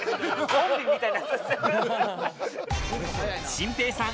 真平さん